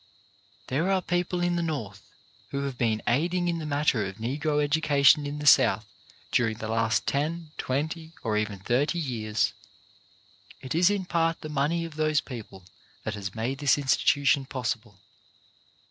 There are people in the North who have been aiding in the matter of Negro education in the South during the last ten, twenty, or even thirty years It is in part the money of those people that has made this institution possible.